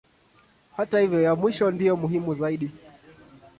Hata hivyo ya mwisho ndiyo muhimu zaidi.